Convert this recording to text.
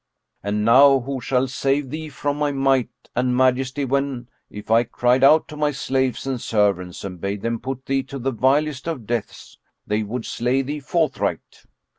And now who shall save thee from my might and majesty when, if I cried out to my slaves and servants and bade them put thee to the vilest of deaths they would slay thee forthright?